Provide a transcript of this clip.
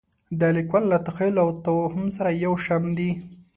د لیکوال له تخیل او توهم سره یو شان دي.